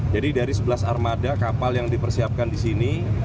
jadi dari sebelas armada kapal yang dipersiapkan di sini